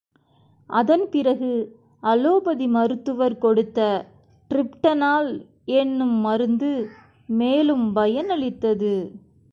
அதன் பிறகு அலோபதி மருத்துவர் கொடுத்த டிரிப்ட னால் என்னும் மருந்து மேலும் பயனளித்தது.